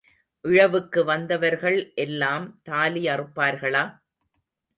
இழவுக்கு வந்தவர்கள் எல்லாம் தாலி அறுப்பார்களா?